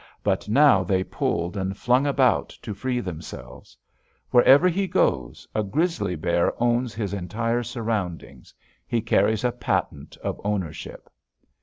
But now they pulled and flung about to free themselves. Wherever he goes, a grizzly bear owns his entire surroundings. He carries a patent of ownership.